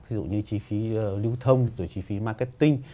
ví dụ như chi phí lưu thông rồi chi phí marketing